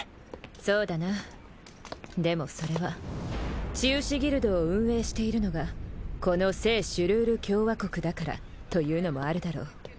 そうだなでもそれは治癒士ギルドを運営しているのがこの聖シュルール共和国だからというのもあるだろう